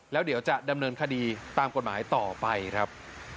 แล้วเดี๋ยวจะดำเนินคดีตามกฎหมายต่อไปครับ